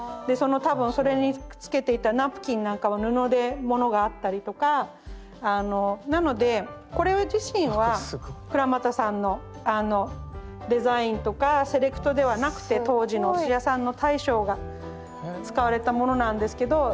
その多分それにくっつけていたナプキンなんかは布でものがあったりとかあのなのでこれ自身は倉俣さんのデザインとかセレクトではなくて当時のお寿司屋さんの大将が使われたものなんですけど